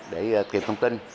để tìm thông tin